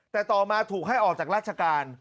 แต่ต่อมาถูกให้ออกจากราชการ